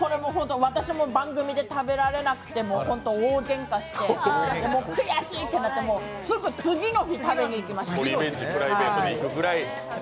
私も番組で食べられなくてホント大げんかして悔しい！ってなって、すぐ次の日、食べにいきました。